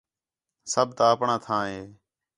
سب تا آپݨاں تھاں ہے